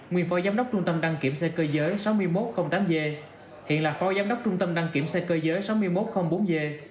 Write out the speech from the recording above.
nguyên phó giám đốc trung tâm đăng kiểm xe cơ giới sáu nghìn một trăm linh tám g hiện là phó giám đốc trung tâm đăng kiểm xe cơ giới sáu nghìn một trăm linh bốn g